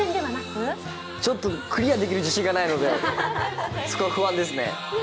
ちょっとクリアできる自信がないので不安ですね。